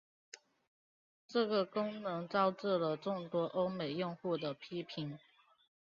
这个功能招致了众多欧美用户的批评。